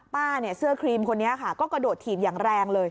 เสื้อครีมคนนี้ค่ะก็กระโดดถีบอย่างแรงเลย